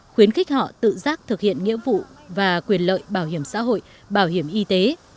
khuyến khích họ tự giác thực hiện nghĩa vụ và quyền lợi bảo hiểm xã hội bảo hiểm y tế